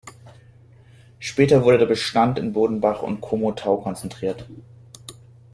Später wurde der Bestand in Bodenbach und Komotau konzentriert.